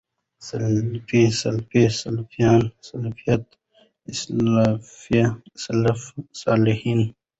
سلفي، سلفۍ، سلفيان، سلفيَت، اسلاف، سلف صالحين